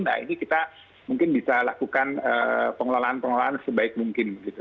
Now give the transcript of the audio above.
nah ini kita mungkin bisa lakukan pengelolaan pengelolaan sebaik mungkin gitu